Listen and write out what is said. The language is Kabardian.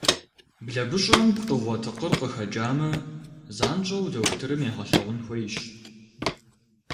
Блэгущӏэм пкъыгъуэ тыкъыр къыхэкӏамэ, занщӏэу дохутырым егъэлъэгъун хуейщ.